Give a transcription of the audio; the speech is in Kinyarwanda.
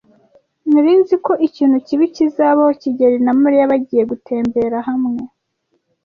Nari nzi ko ikintu kibi kizabaho kigeli na Mariya bagiye gutembera hamwe.